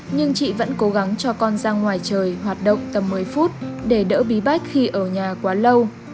nhưng chị vẫn cố gắng cho con ra ngoài trời hoạt động tầm một mươi phút để đỡ bí bách khi ở nhà quá lâu